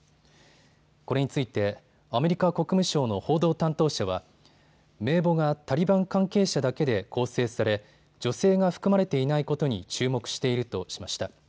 これについてアメリカ国務省の報道担当者は名簿がタリバン関係者だけで構成され女性が含まれていないことに注目しているとしました。